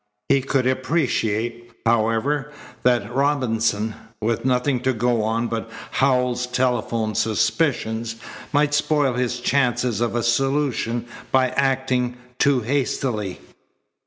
He could appreciate, however, that Robinson, with nothing to go on but Howells's telephoned suspicions, might spoil his chances of a solution by acting too hastily.